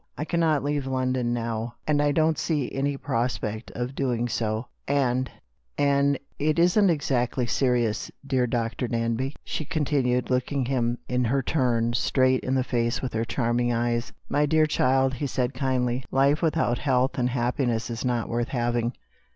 " I cannot leave London now ; and I don't see any prospect of doing so. And — and — it isn't exactly serious, dear Dr. Danby ?" she continued, looking him, in her turn, straight in the face with her charming eyes. "My dear child," he said kindly, "life without health and happiness is not worth having.